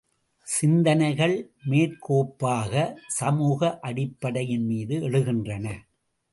சிந்தனைகள் மேற்கோப்பாக, சமூக அடிப்படையின் மீது எழுகின்றன.